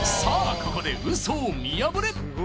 ここでウソを見破れ！